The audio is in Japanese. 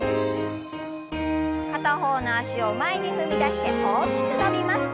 片方の脚を前に踏み出して大きく伸びます。